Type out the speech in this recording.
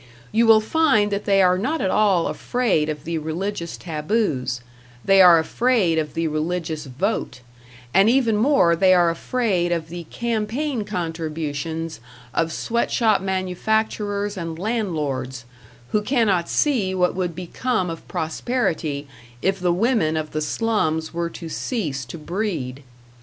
You will find that they are not at all afraid of the religious taboos; they are afraid of the religious vote and even more they are afraid of the campaign contributions of sweat shop manufacturers and landlords, who cannot see what would become of prosperity if the women of the slums were to cease to breed.